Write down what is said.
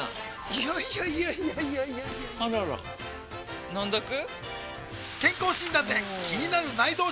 いやいやいやいやあらら飲んどく？